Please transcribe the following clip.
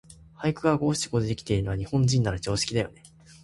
俳句が五七五でできているのは、日本人なら常識だよね。